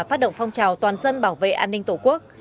phát động phong trào toàn dân bảo vệ an ninh tổ quốc